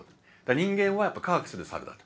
人間はやっぱり「科学する猿」だと。